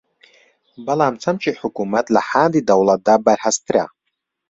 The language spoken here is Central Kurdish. بەڵام چەمکی حکوومەت لە حاندی دەوڵەتدا بەرھەستتر